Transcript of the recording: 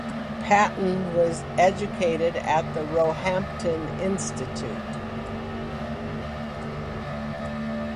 Patten was educated at the Roehampton Institute.